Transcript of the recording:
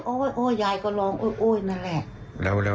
โอ้ยยายก็ลองโอ้ยนั่นแหละ